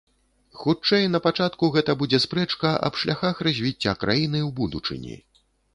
Хутчэй, напачатку гэта будзе спрэчка аб шляхах развіцця краіны ў будучыні.